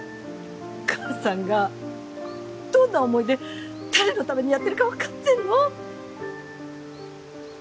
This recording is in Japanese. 母さんがどんな思いで誰のためにやってるかわかってんの？